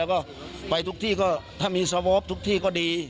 แล้วก็ไปทุกที่ก็ถ้ามีสวอปทุกที่ก็ดี